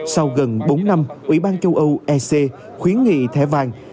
sau gần bốn năm ủy ban châu âu ec khuyến nghị thẻ vàng